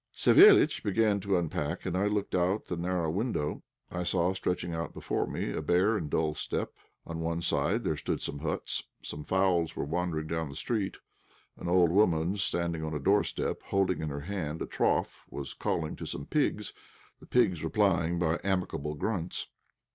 Savéliitch began to unpack, and I looked out of the narrow window. I saw stretching out before me a bare and dull steppe; on one side there stood some huts. Some fowls were wandering down the street. An old woman, standing on a doorstep, holding in her hand a trough, was calling to some pigs, the pigs replying by amicable grunts.